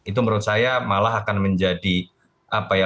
itu menurut saya malah akan menjadi apa ya